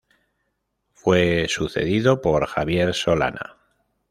Fue sucedido por Javier Solana.